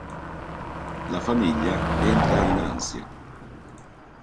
La famiglia entra in ansia.